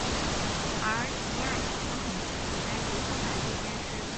而吉亚奇诺很清楚该如何把这件事做好。